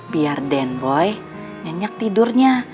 biar den boy nyenyak tidurnya